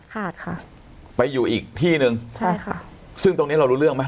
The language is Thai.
ค่ะไปอยู่อีกที่หนึ่งใช่ค่ะซึ่งตรงเนี้ยเรารู้เรื่องไหม